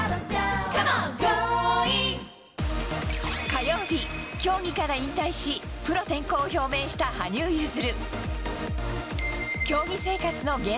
火曜日、競技から引退し、プロ転向を表明した羽生結弦。